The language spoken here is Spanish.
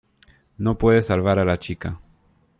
no puede salvar a la chica.